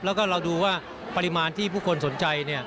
แล้วก็เราดูว่าปริมาณที่ผู้คนสนใจ